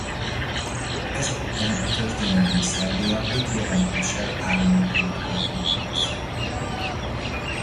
Ezek után a történelmi Szerbia öt jelentősebb államalakulatra bomlott fel.